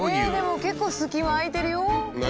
でも結構隙間空いてるよ。